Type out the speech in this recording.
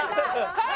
はい！